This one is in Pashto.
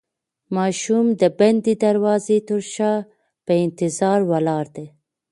ماشوم د بندې دروازې تر شا په انتظار ولاړ دی.